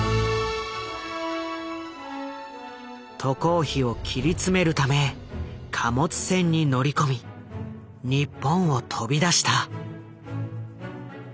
渡航費を切り詰めるため貨物船に乗り込み日本を飛び出した。